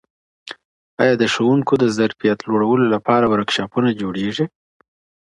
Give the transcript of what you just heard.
ایا د ښوونکو د ظرفیت لوړولو لپاره ورکشاپونه جوړېږي؟